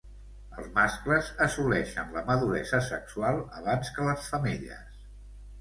Els mascles assoleixen la maduresa sexual abans que les femelles.